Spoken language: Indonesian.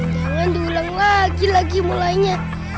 jangan diulang lagi lagi mulainya